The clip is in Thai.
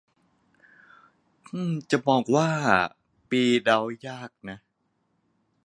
บอกว่า ปีเดายากนะ